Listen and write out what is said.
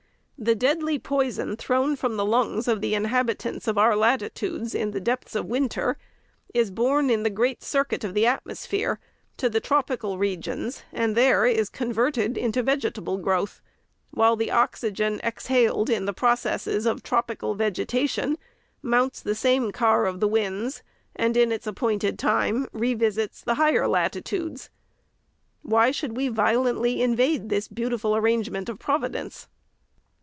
The deadly poison thrown from the lungs of the inhabitants of our latitudes, in the ON SCHOOLHOUSES. 441 depths of winter, is borne in the great circuit of the at mosphere to the tropical regions, and is there converted into vegetable growth ; while the oxygen, exhaled in the processes of tropical vegetation, mounts the same car of the winds, and, in its appointed time, revisits the higher latitudes.* Why should we violently invade this beauti ful arrangement of Providence